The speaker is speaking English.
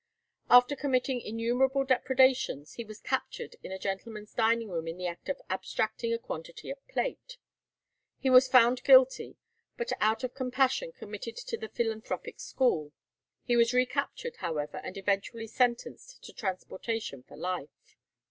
After committing innumerable depredations, he was captured in a gentleman's dining room in the act of abstracting a quantity of plate. He was found guilty, but out of compassion committed to the Philanthropic School. He was recaptured, however, and eventually sentenced to transportation for life.